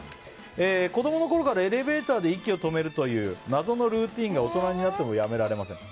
子供のころからエレベーターで息を止めるという謎のルーティンが大人になってもやめられません。